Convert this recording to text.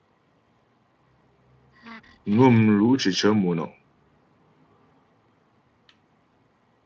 Nwə́ mlú' cəcə̂ mònə̀ŋ.